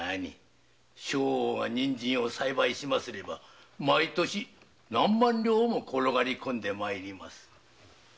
将翁が人参を栽培しますれば毎年何万両も転がり込んで参ります。